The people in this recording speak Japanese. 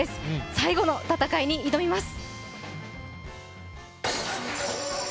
最後の戦いに挑みます。